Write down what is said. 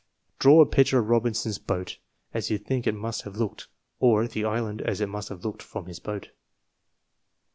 Draw a picture of Robinson's boat, as you think it must have looked, or the island as it must have looked from his boat.